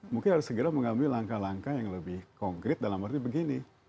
mungkin harus segera mengambil langkah langkah yang lebih konkret dalam arti begini